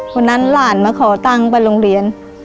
วันนั้นน้ำหลานมาขอเงินตั้งไปโรงเรียน